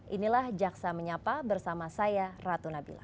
inilah jaksa menyapa bersama saya ratu nabila